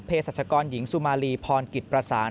สัชกรหญิงสุมาลีพรกิจประสาน